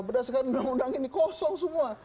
berdasarkan undang undang ini kosong semua